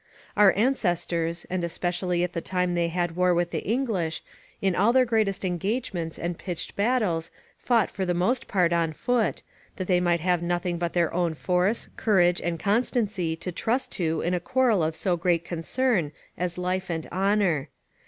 Our ancestors, and especially at the time they had war with the English, in all their greatest engagements and pitched battles fought for the most part on foot, that they might have nothing but their own force, courage, and constancy to trust to in a quarrel of so great concern as life and honour.